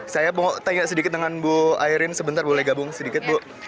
saya tanya sedikit dengan bu airin sebentar boleh gabung sedikit bu